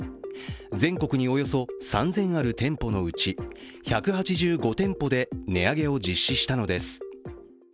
全国におよそ３０００ある店舗のうち１８５店舗で値上げを実施したのです。